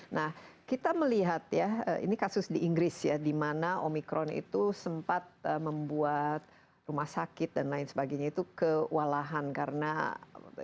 nah kita melihat ya ini kasus di inggris ya di mana omikron itu sempat membuat rumah sakit dan lain sebagainya itu kewalahan karena